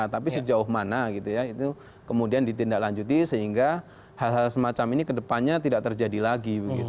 tapi sejauh mana gitu ya itu kemudian ditindaklanjuti sehingga hal hal semacam ini kedepannya tidak terjadi lagi